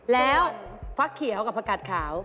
แล้วฟักเขียวกับผักกัดขาว